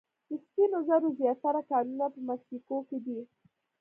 د سپینو زرو زیاتره کانونه په مکسیکو کې دي.